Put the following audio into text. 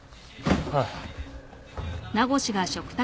ああ。